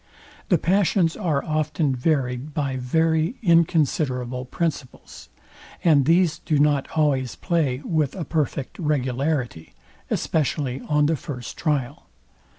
The passions are often varyed by very inconsiderable principles; and these do not always play with a perfect regularity, especially on the first trial.